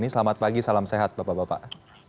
selamat pagi salam sehat bapak bapak